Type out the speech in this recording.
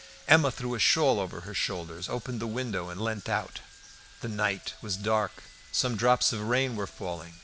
Emma threw a shawl over her shoulders, opened the window, and leant out. The night was dark; some drops of rain were falling.